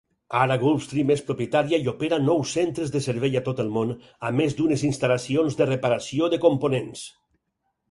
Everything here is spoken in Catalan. Ara Gulfstream és propietària i opera nou centres de servei a tot el món, a més d'unes instal·lacions de reparació de components.